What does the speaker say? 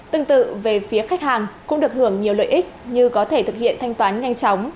tương tự về phía khách hàng cũng được hưởng nhiều lợi ích như có thể thực hiện thanh toán nhanh chóng